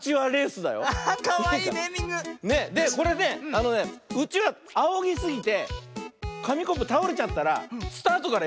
あのねうちわあおぎすぎてかみコップたおれちゃったらスタートからやりなおしね。